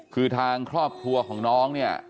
คือทางครอบครัวของน้องเนี่ย